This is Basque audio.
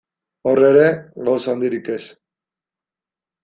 Hor ere, gauza handirik ez.